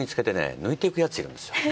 抜いてくヤツいるんですよ。